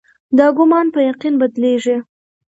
دا ګومان په یقین بدلېدی.